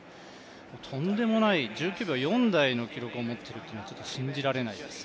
とんでもない、１９秒４台の記録を持ってるというのは信じられないです。